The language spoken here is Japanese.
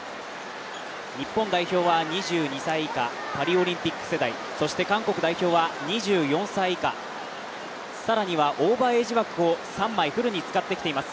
日本代表は２２歳以下、パリオリンピック世代、そして韓国代表は２４歳以下、更にはオーバーエイジ枠を３枚フルに使ってきています。